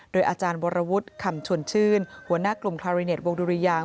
โดยอาจารย์วรวุฒิคำชวนชื่นหัวหน้ากลุ่มคาริเน็ตวงดุริยาง